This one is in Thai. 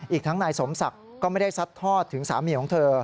อีกทั้งนายสมศักดิ์ก็ไม่ได้ซัดทอดถึงสามีของเธอ